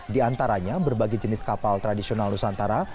diantaranya berbagai jenis kapal tradisional nusantara